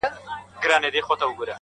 دلته کیسې د شاپېریو د بدریو کېدې -